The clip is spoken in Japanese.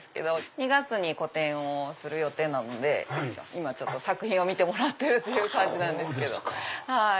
２月に個展をする予定なので今作品を見てもらってるという感じです。